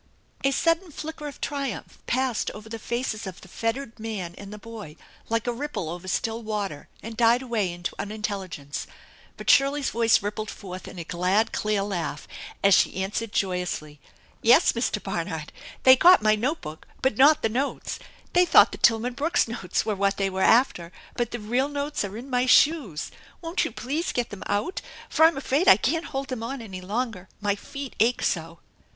A sudden flicker of triumph passed over the faces of the fettered man and the boy, like a ripple over still water and died away into unintelligence. But Shirley's voice rippled forth in a glad, clear laugh, as she answered joyously: "Yes, Mr. Barnard, they got my note book, but not the notes! They thought the Tilman Brooks notes were what they were after, but the real notes are in my shoes. Won't you please get them out, for I'm afraid I can't hold them on any longer, my feet ache so